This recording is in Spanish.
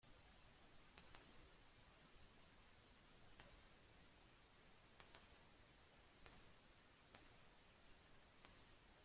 Bajo estas circunstancias, una confrontación británica directa sobre el tema báltico era difícil.